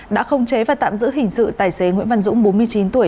đã không chế và tạm giữ hình sự tài xế nguyễn văn dũng bốn mươi chín tuổi